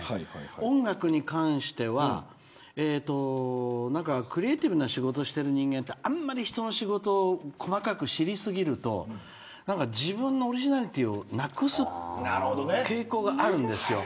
音楽に関してはクリエーティブな仕事してる人間ってあんまり人の仕事を細かく知り過ぎると何か、自分のオリジナリティーをなくす傾向があるんですよ。